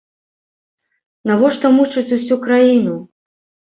Навошта мучыць усю краіну?